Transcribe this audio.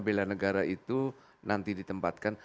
bela negara itu nanti ditempatkan